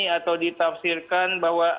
atau ditafsirkan bahwa